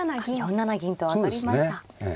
４七銀と上がりました。